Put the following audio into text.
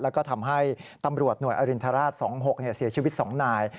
แล้วก็ทำให้ตำรวจหน่วยอรินทราช๒๖เสียชีวิต๒นาย